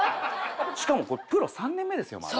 しかもプロ３年目ですよまだ。